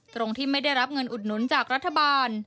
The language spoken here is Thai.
ตรงที่ไม่ได้รับเงินอุดหนุนจากรัฐบาล